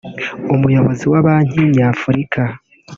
umuyobozi wa Banki nyafurika